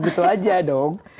gitu aja dong